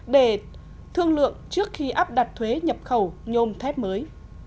để thương lượng trước khi áp đặt thuế nhập khẩu nhôm thép mới